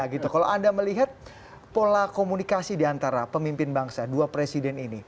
kalau anda melihat pola komunikasi diantara pemimpin bangsa dua presiden ini